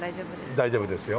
大丈夫ですよ。